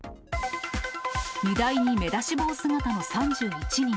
荷台に目出し帽姿の３１人。